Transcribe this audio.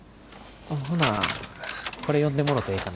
ほなこれ読んでもろてええかな？